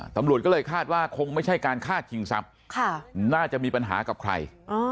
ตำรวจก็เลยคาดว่าคงไม่ใช่การฆ่าชิงทรัพย์น่าจะมีปัญหากับใคร